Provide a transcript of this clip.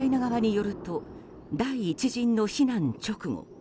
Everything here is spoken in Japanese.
ウクライナ側によると第１陣の避難直後